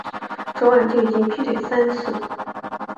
昨晚就已经劈腿三次